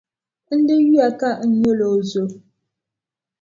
N di yuya ka n nyɛla o zo.